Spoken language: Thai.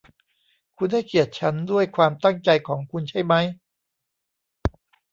คุณให้เกียรติฉันด้วยความตั้งใจของคุณใช่มั้ย